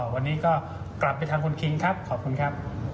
วันนี้ก็กลับไปทางคุณคิงครับขอบคุณครับ